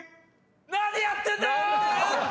何やってんだよ